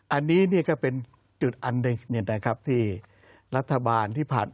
อันนี้ก็เป็นจุดอันหนึ่งที่รัฐบาลที่ผ่าน